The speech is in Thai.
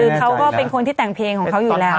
คือเขาก็เป็นคนที่แต่งเพลงเองนะ